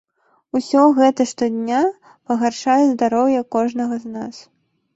Усё гэта штодня пагаршае здароўе кожнага з нас.